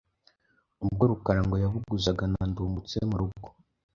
Ubwo Rukara ngo yabuguzaga na Ndungutse mu rugo